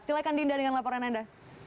silahkan dinda dengan laporan anda